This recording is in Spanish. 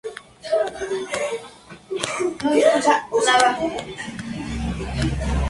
Fue una de las primeras mujeres afroamericanas en obtener un doctorado en matemática.